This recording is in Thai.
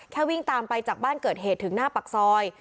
วิ่งตามไปจากบ้านเกิดเหตุถึงหน้าปากซอย